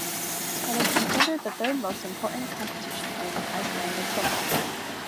It is considered the third most important competition in Icelandic football.